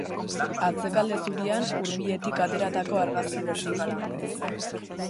Atzekalde zurian, hurbiletik ateratako argazki bertikala.